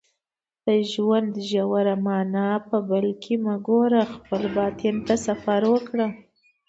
د ژوند ژوره معنا په بل کې مه ګوره خپل باطن ته سفر وکړه